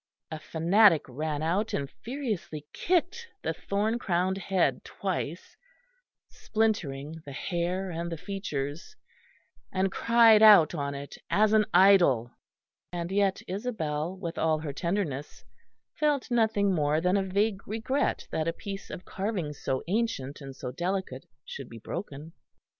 A fanatic ran out and furiously kicked the thorn crowned head twice, splintering the hair and the features, and cried out on it as an idol; and yet Isabel, with all her tenderness, felt nothing more than a vague regret that a piece of carving so ancient and so delicate should be broken.